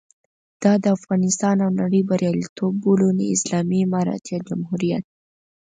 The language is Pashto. دا د افغانستان او نړۍ بریالیتوب بولو، نه اسلامي امارت یا جمهوریت.